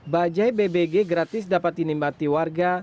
bajai bbg gratis dapat dinikmati warga